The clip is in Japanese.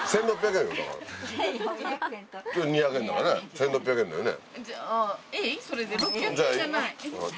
１６００円だよね？